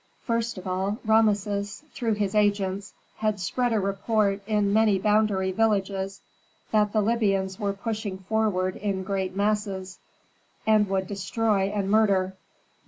First of all Rameses, through his agents, had spread a report in many boundary villages that the Libyans were pushing forward in great masses, and would destroy and murder.